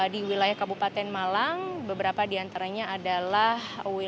di wilayah kabupaten malang beberapa diantaranya adalah wni